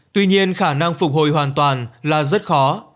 tuy nhiên khả năng phục hồi hoàn toàn là rất khó